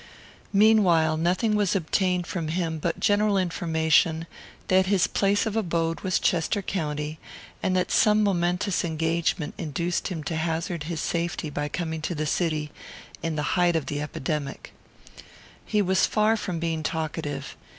Meanwhile nothing was obtained from him but general information, that his place of abode was Chester county, and that some momentous engagement induced him to hazard his safety by coming to the city in the height of the epidemic. He was far from being talkative.